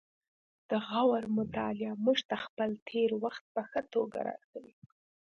د غور مطالعه موږ ته خپل تیر وخت په ښه توګه راښيي